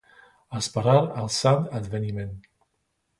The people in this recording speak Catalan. Esperar el Sant Adveniment.